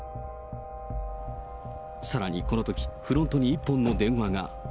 さらにこのとき、フロントに一本の電話が。